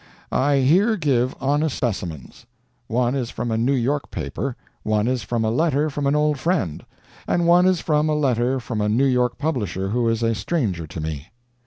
I here give honest specimens. One is from a New York paper, one is from a letter from an old friend, and one is from a letter from a New York publisher who is a stranger to me.